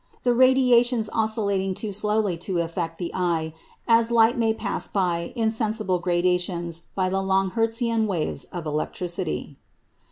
The radiations oscillating too slowly to affect the eye as light may pass by insensible gradations into the long Hertzian waves of electricity.